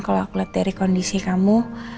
kalau aku lihat dari kondisi kamu